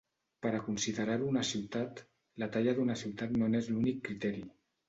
Per a considerar-ho una ciutat, la talla d'una ciutat no n'és l'únic criteri.